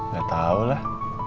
gak tau lah